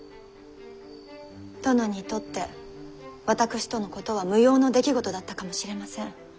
殿にとって私とのことは無用の出来事だったかもしれません。